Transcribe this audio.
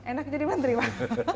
enak jadi menteri pak